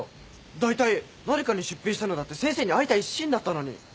だいたい鳴華に出品したのだって先生に会いたい一心だったのに。